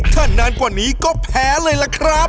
ถ้านานกว่านี้ก็แพ้เลยล่ะครับ